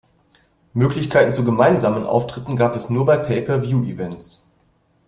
Möglichkeiten zu gemeinsamen Auftritten gab es nur bei Pay-per-View Events.